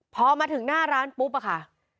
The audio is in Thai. พอมาถึงหน้าร้านปุ๊บอะค่ะ